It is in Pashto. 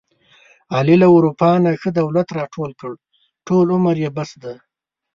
علي له اروپا نه ښه دولت راټول کړ، ټول عمر یې بس دی.